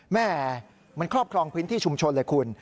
แม่มันครอบครองพื้นที่ชุมชนเลยคุณ